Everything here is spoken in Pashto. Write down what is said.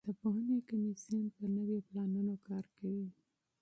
د پوهنې کمیسیون په نویو پلانونو کار کوي.